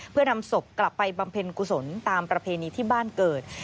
เพื่อนำศพกลับไปบำเพ็ญกุศลตามประเพณีที่บ้านเกิด